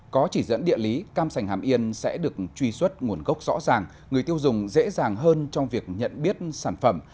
có chỉ dẫn địa lý cam sành hàm yên sẽ được truy xuất nguồn gốc rõ ràng người tiêu dùng dễ dàng hơn trong việc nhận biết sản phẩm